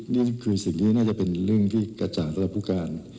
นี่คือสิ่งที่น่าจะเป็นเรื่องที่กระจ่างสำหรับผู้การ